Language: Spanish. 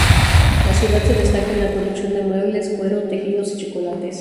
La ciudad se destaca en la producción de muebles, cuero, tejidos y chocolates.